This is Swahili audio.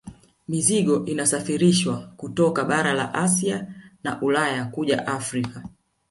Mizigo inasafirishwa kutoka bara la Asia na Ulaya kuja Afrika